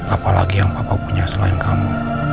apalagi yang bapak punya selain kamu